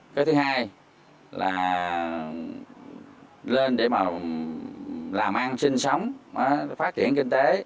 cái thứ hai là lên để mà làm ăn sinh sống phát triển kinh tế